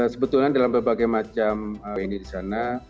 sebetulnya dalam berbagai macam ini di sana